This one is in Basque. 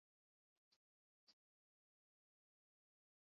Horietako bat Arango harana da, arrazoi askorengatik nortasun handikoa dena.